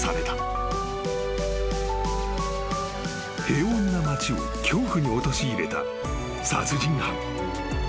［平穏な町を恐怖に陥れた殺人犯］